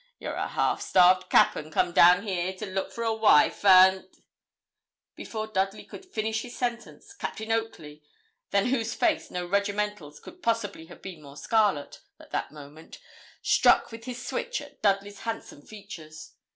You're a half starved cappen, come down here to look for a wife, and ' Before Dudley could finish his sentence, Captain Oakley, than whose face no regimentals could possibly have been more scarlet, at that moment, struck with his switch at Dudley's handsome features.